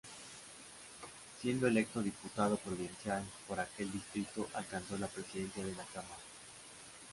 Siendo electo Diputado provincial por aquel distrito, alcanzó la presidencia de la cámara.